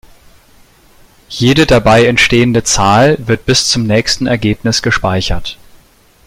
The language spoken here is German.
Jede dabei entstehende Zahl wird bis zum nächsten Ereignis gespeichert.